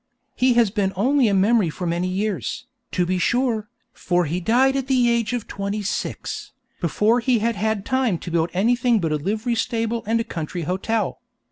He has been only a memory for many years, to be sure, for he died at the age of twenty six, before he had had time to build anything but a livery stable and a country hotel.